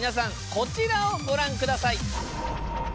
こちらをご覧下さい。